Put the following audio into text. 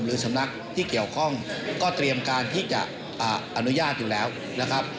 สำนักที่เกี่ยวข้องก็เตรียมการที่จะอนุญาตอยู่แล้วนะครับ